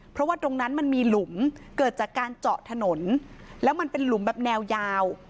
เพราะว่าตรงนั้นมันมีหลุมเกิดจากการเจาะถนนแล้วมันเป็นหลุมแบบแนวยาว